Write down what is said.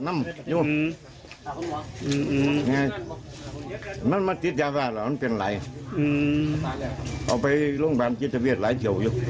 มันมัดจิตเยาวะหรอมันเป็นไรเอาไปลงพันธุ์จิตเวชหลายช่วงอยู่